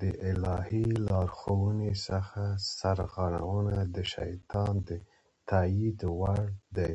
د الهي لارښوونو څخه سرغړونه د شيطان د تائيد وړ ده